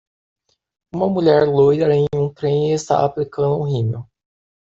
Uma mulher loira em um trem está aplicando rímel.